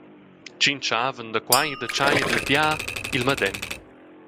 Tschintschavan da quei e da tschei ed il bia il medem.